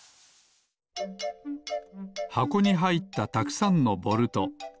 はこにはいったたくさんのボルト。